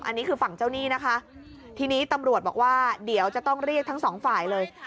อันนี้คือฝั่งเจ้าหนี้นะคะทีนี้ตำรวจบอกว่าเดี๋ยวจะต้องเรียกทั้งสองฝ่ายเลย